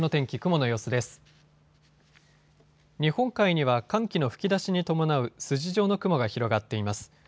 日本海には寒気の吹き出しに伴う筋状の雲が広がっています。